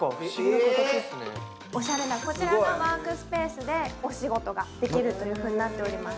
おしゃれなこちらのワークスペースでお仕事ができることになっています。